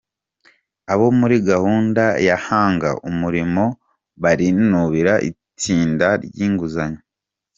Abo muri gahunda ya Hanga Umurimo" barinubira itinda ry’inguzanyo